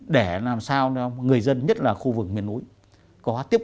để làm sao cho người dân nhất là khu vực